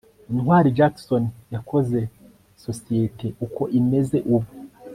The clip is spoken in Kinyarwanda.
ntwali jackson yakoze sosiyete uko imeze ubu